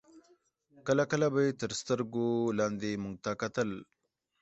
کله کله به یې تر سترګو لاندې موږ ته کتل.